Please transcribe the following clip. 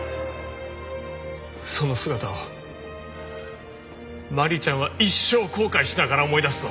その姿を麻里ちゃんは一生後悔しながら思い出すぞ。